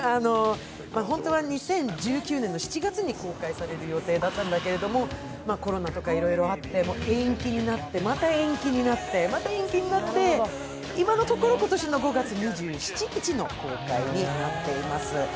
本当は２０１９年７月に公開される予定だったんだけれども、コロナとかいろいろあって延期になって、また延期になって、また延期になって、今のところ今年の５月２７日の公開になっています。